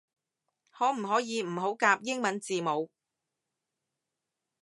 可唔可以唔好夾英文字母